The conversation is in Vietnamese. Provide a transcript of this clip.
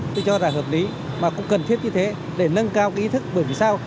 tôi cho là hợp lý mà cũng cần thiết như thế để nâng cao cái ý thức bởi vì sao